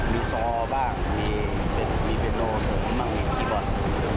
มีซอบ้างมีเบโรสมีคีย์บอส